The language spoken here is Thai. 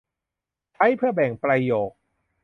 ใช้เพื่อแบ่งประโยค